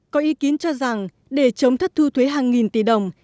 có ý kiến cho rằng để chống thất thu thuế hàng nghìn tỷ đồng